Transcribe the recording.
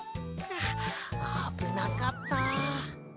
はああぶなかった。